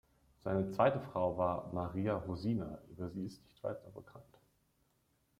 Seine zweite Frau war "Maria Rosina", über sie ist nicht weiter bekannt.